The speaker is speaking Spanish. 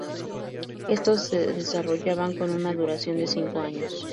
Estos se desarrollaban con una duración de cinco años.